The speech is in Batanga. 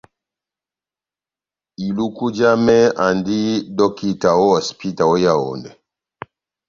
Iluku jamɛ andi dɔkita ó hosipita ó Yaondɛ.